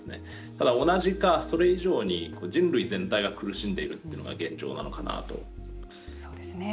ただ、同じかそれ以上に人類全体が苦しんでいるというのが現状なのかなと思います。